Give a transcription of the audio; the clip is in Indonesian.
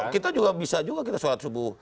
kita juga bisa juga kita sholat subuh